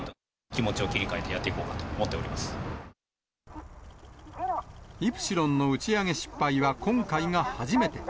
気持ちを切り替えてやっていこうイプシロンの打ち上げ失敗は、今回が初めて。